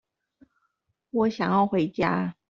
我想要回家